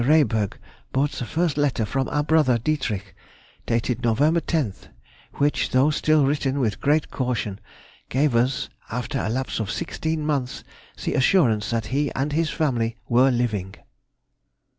Rehberg brought the first letter from our brother Dietrich, dated November 10th, which, though still written with great caution, gave us, after a lapse of sixteen months, the assurance that he and his family were living.